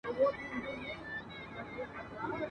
ستا تر آوازه مي بلاله ژوند په داو وهلی ..